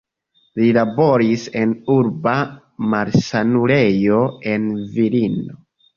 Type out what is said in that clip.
Li laboris en urba malsanulejo en Vilno.